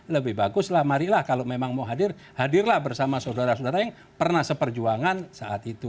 lebih baguslah marilah kalau memang mau hadir hadirlah bersama saudara saudara yang pernah seperjuangan saat itu